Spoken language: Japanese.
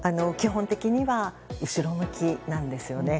基本的には後ろ向きなんですね。